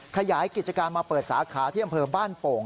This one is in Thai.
ขยายกิจการมาเปิดสาขาที่อำเภอบ้านโป่ง